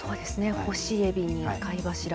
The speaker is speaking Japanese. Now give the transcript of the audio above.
干しえびに、貝柱。